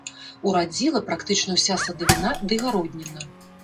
Урадзіла практычна ўся садавіна ды гародніна.